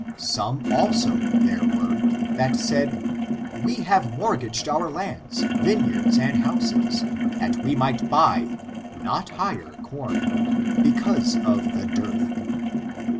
Some, also, there were, that said: we have mortgaged our lands, vineyards and houses, that we might buy [not hire] corn, because of the dearth.